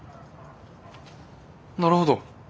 なるほど。